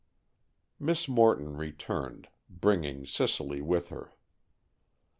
Miss Morton returned, bringing Cicely with her.